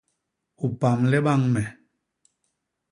U pamle bañ me.